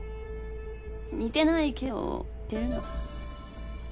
似てないけど似てるの。